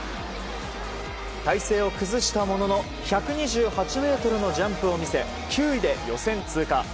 体勢を崩したものの１２８ｍのジャンプを見せ９位で予選通過。